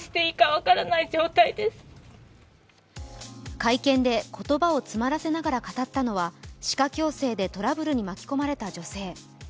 会見で言葉を詰まらせながら語ったのは歯科矯正でトラブルに巻き込まれた女性。